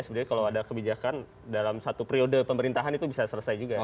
sebenarnya kalau ada kebijakan dalam satu periode pemerintahan itu bisa selesai juga